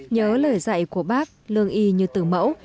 nhớ lời dạy của bác lương y như từ mẫu